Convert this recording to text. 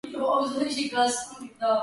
კედლებიც სხვადასხვა სისქისაა.